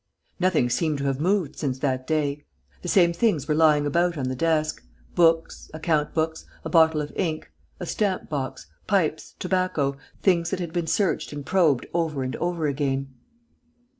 Nothing seemed to have moved since that day. The same things were lying about on the desk: books, account books, a bottle of ink, a stamp box, pipes, tobacco, things that had been searched and probed over and over again.